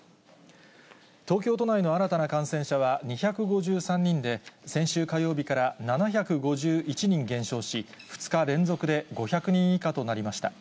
東京都内の新たな感染者は２５３人で、先週火曜日から７５１人減少し、２日連続で５００人以下となりました。